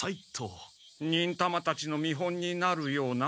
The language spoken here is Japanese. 忍たまたちの見本になるような？